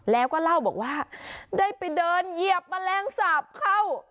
แล้วก็เล่าบอกว่าได้ไปเดินเหยียบแมลงสาปเข้า